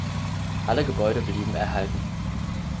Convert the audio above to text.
Alle Gebäude blieben erhalten.